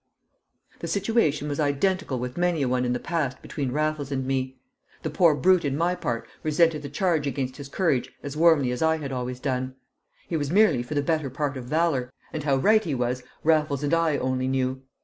The situation was identical with many a one in the past between Raffles and me. The poor brute in my part resented the charge against his courage as warmly as I had always done. He was merely for the better part of valour, and how right he was Raffles and I only knew.